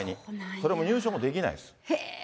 それも優勝もできないです。